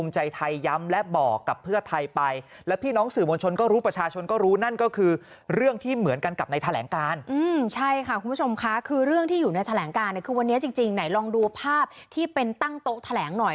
ใช่ค่ะคุณผู้ชมค่ะคือเรื่องที่อยู่ในแถลงการเนี่ยคือวันนี้จริงไหนลองดูภาพที่เป็นตั้งโต๊ะแถลงหน่อย